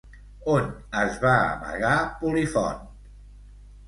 On es va amagar Polifonte?